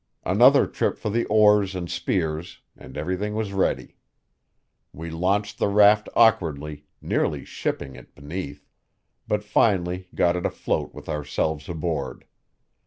Another trip for the oars and spears, and everything was ready. We launched the raft awkwardly, nearly shipping it beneath; but finally got it afloat with ourselves aboard.